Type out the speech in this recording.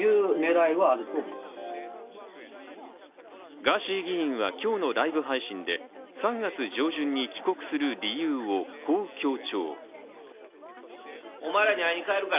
ガーシー議員は今日のライブ配信で３月上旬に帰国する理由を、こう強調。